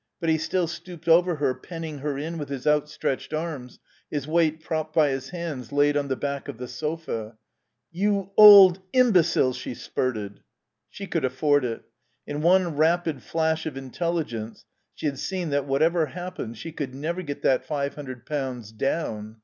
But he still stooped over her, penning her in with his outstretched arms, his weight propped by his hands laid on the back of the sofa. "You old imbecile " she spurted. She could afford it. In one rapid flash of intelligence she had seen that, whatever happened, she could never get that five hundred pounds down.